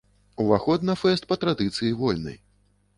Уваход на фэст, па традыцыі, вольны.